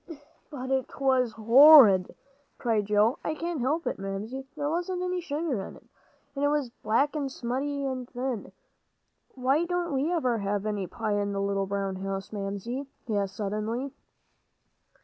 "But 'twas horrid," cried Joe. "I can't help it, Mamsie. There wasn't any sugar in it, and it was black and smutty and thin. Why don't we ever have any pie in the little brown house, Mamsie?" he asked suddenly.